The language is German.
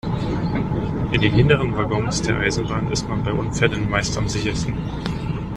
In den hinteren Waggons der Eisenbahn ist man bei Unfällen meist am sichersten.